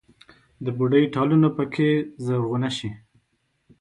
د بوډۍ ټالونه پکښې زرغونه شي